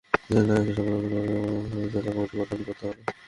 জেলায় এসে সম্মেলন করে তৃণমূলের মতামত নিয়ে জেলা কমিটি গঠন করতে হবে।